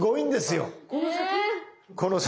この先。